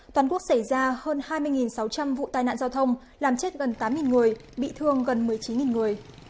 toàn quốc xảy ra hơn hai mươi sáu trăm linh vụ tai nạn giao thông làm chết gần tám người bị thương gần một mươi chín người